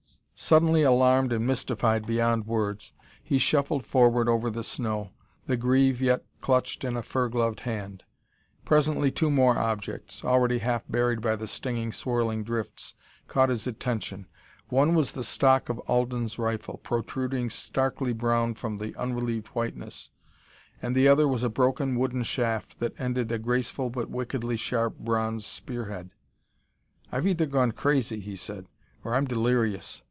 Suddenly alarmed and mystified beyond words, he shuffled forward over the snow, the greave yet clutched in a fur gloved hand. Presently two more objects, already half buried by the stinging, swirling drifts, caught his attention. One was the stock of Alden's rifle, protruding starkly brown from the unrelieved whiteness, and the other was a broken wooden shaft that ended a graceful but wickedly sharp bronze spear head. "I've either gone crazy," he said, "or I'm delirious.